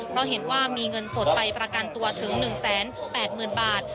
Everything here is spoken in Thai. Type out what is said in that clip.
เพราะเห็นว่ามีเงินสดไปประกันตัวถึง๑๘๐๐๐บาท